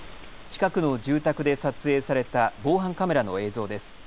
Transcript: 近くの住宅で撮影された防犯カメラの映像です。